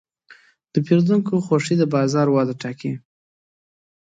د پیرودونکو خوښي د بازار وده ټاکي.